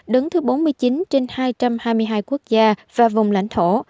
đứng thứ bốn mươi chín trên hai trăm hai mươi hai quốc gia và vùng lãnh thổ